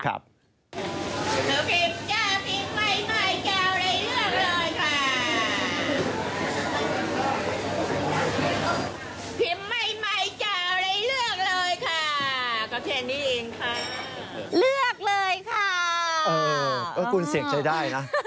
คุณเสี่ยงใจได้นะ